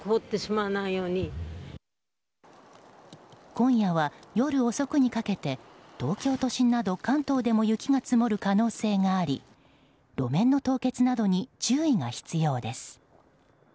今夜は、夜遅くにかけて東京都心など関東でも雪が積もる可能性があり路面の凍結などに注意が必要です。